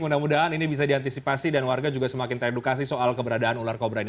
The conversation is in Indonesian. mudah mudahan ini bisa diantisipasi dan warga juga semakin teredukasi soal keberadaan ular kobra ini